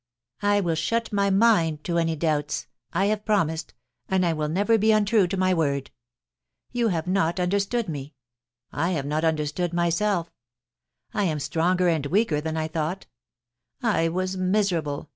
I will shut my mind to any doubts — I have promised, and I will never be imtrue to my word. ... You have not under stood me. I have not understood myselfl I am stronger and weaker than I thought I was miserable.